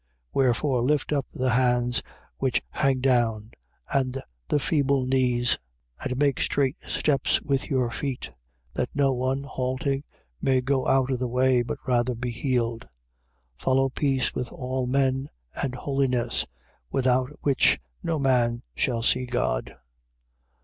12:12. Wherefore, lift up the hands which hang down and the feeble knees: 12:13. And make straight steps with your feet: that no one, halting, may go out of the way; but rather be healed. 12:14. Follow peace with all men and holiness: without which no man shall see God.